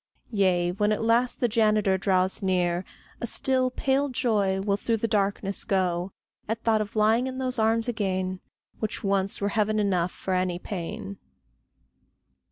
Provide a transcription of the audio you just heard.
Yea, when at last the janitor draws near, A still, pale joy will through the darkness go, At thought of lying in those arms again, Which once were heaven enough for any pain.